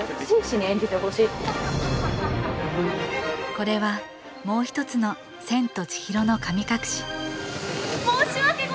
これはもうひとつの「千と千尋の神隠し」